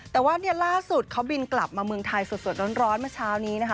แต่ว่าเนี่ยล่าสุดเขาบินกลับมาเมืองไทยสดร้อนเมื่อเช้านี้นะคะ